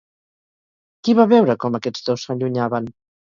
Qui va veure com aquests dos s'allunyaven?